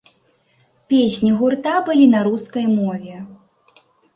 Песні гурта былі на рускай мове.